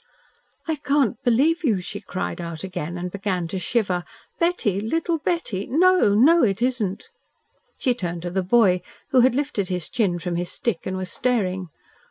"I can't believe you," she cried out again, and began to shiver. "Betty! Little Betty? No! No! it isn't!" She turned to the boy, who had lifted his chin from his stick, and was staring.